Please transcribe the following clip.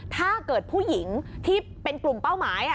ถ้าเกิดผู้หญิงที่เป็นกลุ่มเป้าหมาย